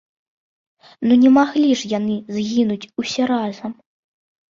Ну не маглі ж яны згінуць усе разам!